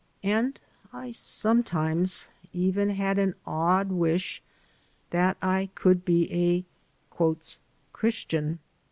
And I sometimes even had an odd wish that I could be a "Christian."